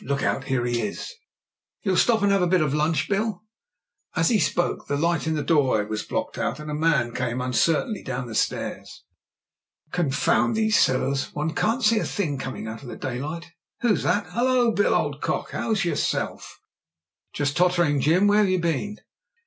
*'Look out, here he is. You'll stop and have a bit of lunch, Bill ?" As he spoke the light in the doorway was blocked out, and a man came uncertainly down the stairs. "Gmfound these cellars. One can't see a thing, coming in out of the daylight. Who's that ? Halloa, Bill, old cock, 'ow's yourself?" "Just tottering, Jim. Where've you been?"